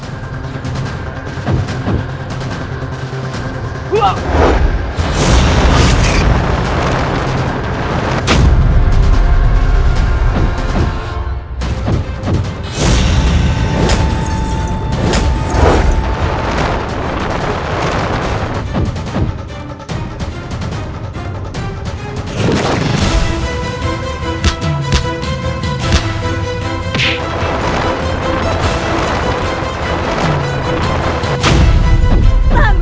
tidak aku sudah menyerangmu